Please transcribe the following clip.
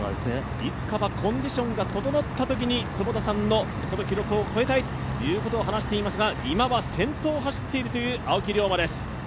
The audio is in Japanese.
いつかはコンディションが整ったときに坪田さんの記録を超えたいと話していますが今は先頭を走っているという青木涼真です。